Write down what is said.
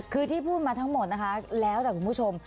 คือที่พูดมาทั้งหมดนะคะแล้วแต่คุณผู้ชม